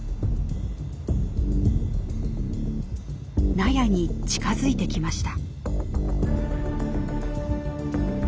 納屋に近づいてきました。